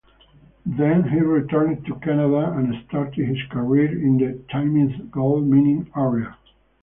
Then he returned to Canada and started his career in the Timmins gold-mining area.